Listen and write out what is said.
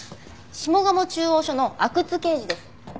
下鴨中央署の阿久津刑事です。